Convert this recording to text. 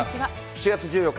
７月１４日